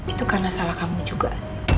itu karena salah kamu juga